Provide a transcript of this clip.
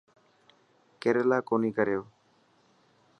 ڪيريلا ڪوني ڪريو.